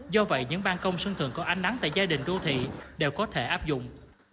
do vậy những ban công sân thường có ánh nắng tại gia đình đô thị đều có thể áp dụng